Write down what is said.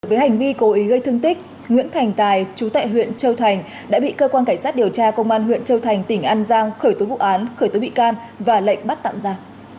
với hành vi cố ý gây thương tích nguyễn thành tài chú tại huyện châu thành đã bị cơ quan cảnh sát điều tra công an huyện châu thành tỉnh an giang khởi tố vụ án khởi tố bị can và lệnh bắt tạm ra